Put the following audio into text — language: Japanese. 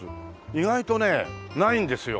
意外とねないんですよ